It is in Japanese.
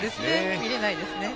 見られないですね。